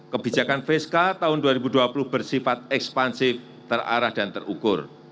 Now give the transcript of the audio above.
kebijakan fiskal tahun dua ribu dua puluh bersifat ekspansif terarah dan terukur